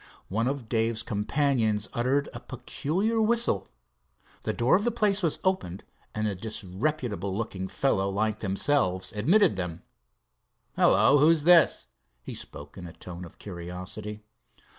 One of Dave's companions uttered a peculiar whistle. The door of the place was opened, and a disreputable looking fellow like themselves admitted them. "Hello, who's this?" he spoke in a tone of curiosity.